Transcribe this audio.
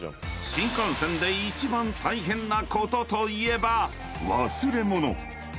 ［新幹線で一番大変なことといえば忘れ物］